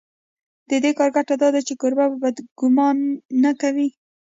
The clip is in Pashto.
د دې کار ګټه دا ده چې کوربه بد ګومان نه کوي.